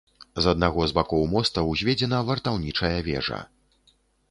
З аднаго з бакоў моста ўзведзена вартаўнічая вежа.